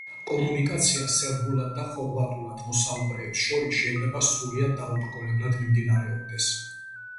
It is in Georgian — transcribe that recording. კომუნიკაცია სერბულად და ხორვატულად მოსაუბრეებს შორის შეიძლება სრულიად დაუბრკოლებლად მიმდინარეობდეს.